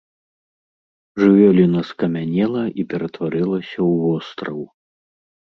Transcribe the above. Жывёліна скамянела і ператварылася ў востраў.